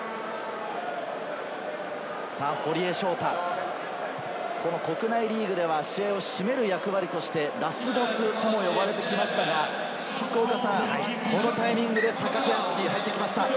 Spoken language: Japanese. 堀江翔太、国内リーグでは試合を締める役割としてラスボスと言われてきましたが、このタイミングで坂手淳史が入ってきました。